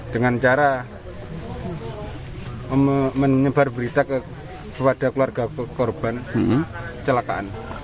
dengan cara menyebar berita kepada keluarga korban di celakaan